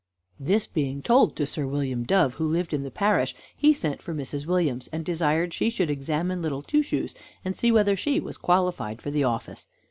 This being told to Sir William Dove, who lived in the parish, he sent for Mrs. Williams, and desired she would examine Little Two Shoes, and see whether she was qualified for the office.